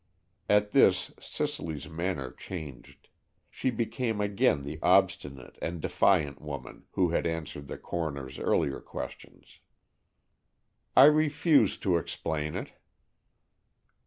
At this Cicely's manner changed. She became again the obstinate and defiant woman who had answered the coroner's earlier questions. "I refuse to explain it."